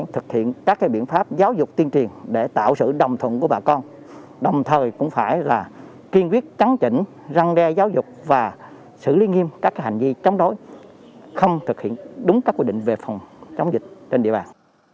tại các biện pháp giáo dục tiên triền để tạo sự đồng thuận của bà con đồng thời cũng phải kiên quyết trắng chỉnh răng đe giáo dục và xử lý nghiêm các hành vi chống đối không thực hiện đúng các quy định về phòng chống dịch trên địa bàn